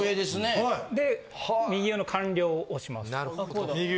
で、右上の完了。